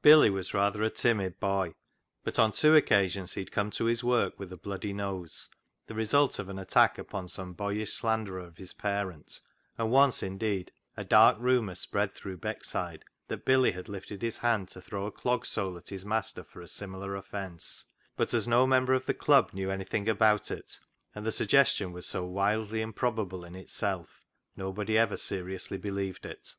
Billy was rather a timid boy, but on two occasions he had come to his work with a bloody nose, the result of an attack upon some boyish slanderer of his parent, and once, indeed, a dark rumour spread through Beckside that Billy had lifted his hand to throw a clog sole at his master for a similar offence, but as no member of the Club knew anything about it, and the suggestion was so wildly improbable in itself, nobody ever seriously believed it.